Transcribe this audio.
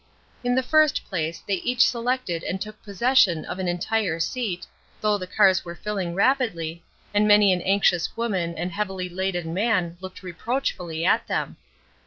In the first place they each selected and took possession of an entire seat, though the cars were filling rapidly, and many an anxious woman and heavily laden man looked reproachfully at them.